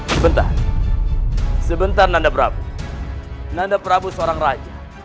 sebentar sebentar nanda prabu nanda prabu seorang raja